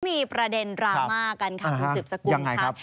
มีประเด็นดราม่ากันค่ะคุณสืบสกุลครับ